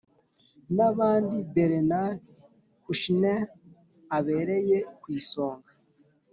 n'abandi Bernard Kouchner abereye ku isonga,